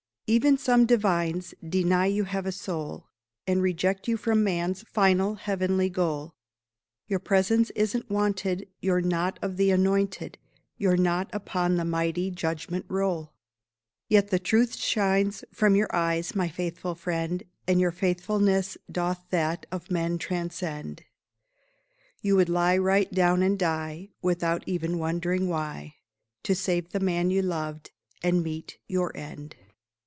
Even some divines deny you have a soul, And reject you from Man's final heav'nly goal: Your presence isn't wanted You're not of the anointed. You're not upon the mighty Judgment Roll. Yet the truth shines from your eyes, my faithful friend, And your faithfulness doth that of men transcend; You would lie right down and die, Without even wond'ring why, To save the man you loved and meet your end.